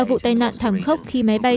vụ tai nạn thảm khốc khi máy bay